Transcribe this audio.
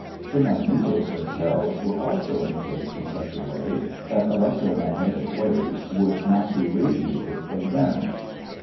The magnetos themselves were also incased in such a way that electro magnetic waves would not be radiated from them.